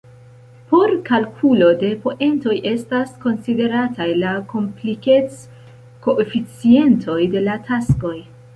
Por kalkulo de poentoj estas konsiderataj la komplikec-koeficientoj de la taskoj.